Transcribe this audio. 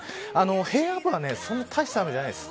平野部はそんなにたいした雨じゃないです。